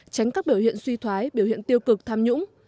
tránh các biểu hiện suy thoái biểu hiện tiêu cực tham nhũng